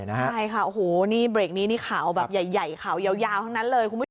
ใช่ค่ะโอ้โหนี่เบรกนี้นี่ข่าวแบบใหญ่ข่าวยาวทั้งนั้นเลยคุณผู้ชม